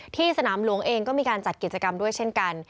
สนามหลวงเองก็มีการจัดกิจกรรมด้วยเช่นกัน